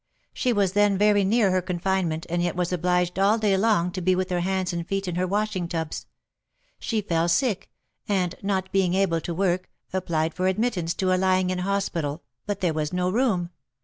She was then very near her confinement, and yet was obliged all day long to be with her hands and feet in her washing tubs. She fell sick, and, not being able to work, applied for admittance to a lying in hospital, but there was no room.